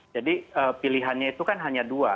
jadi pilihannya itu kan hanya dua